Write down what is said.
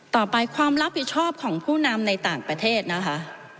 ต่อไปความรับผิดชอบของผู้นำในต่างประเทศนะคะ